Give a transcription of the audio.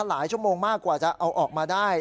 ชั่วโมงมากกว่าจะเอาออกมาได้